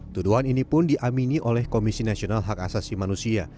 tuduhan ini pun diamini oleh komisi nasional hak asasi manusia